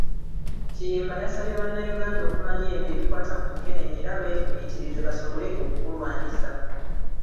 Kiyimba yasabye bannayuganda okumanya ebyo ebikwata ku Mukenenya era beefumiitirize basobole okubulwanyisa.